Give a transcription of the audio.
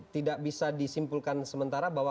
tidak bisa disimpulkan sementara bahwa